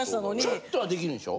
ちょっとは出来るんでしょ？